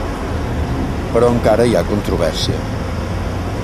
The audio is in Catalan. Però encara hi ha controvèrsia.